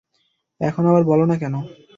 এখন আবার বলো না কেনো?